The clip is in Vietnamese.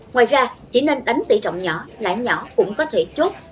ngoài ra chỉ nên đánh tỉ trọng nhỏ lãi nhỏ cũng có thể chốt